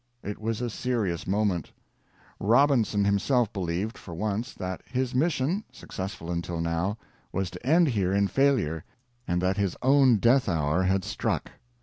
It was a serious moment. Robinson himself believed, for once, that his mission, successful until now, was to end here in failure, and that his own death hour had struck.